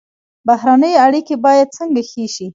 بهرنۍ اړیکې باید څنګه ښې شي؟